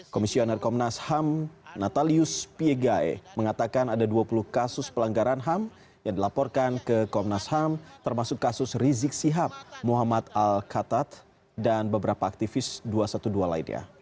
komisioner komnas ham natalius piegai mengatakan ada dua puluh kasus pelanggaran ham yang dilaporkan ke komnas ham termasuk kasus rizik sihab muhammad al katat dan beberapa aktivis dua ratus dua belas lainnya